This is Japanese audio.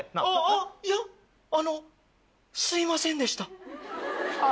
ああいやあのすいませんでした。